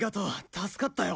助かったよ。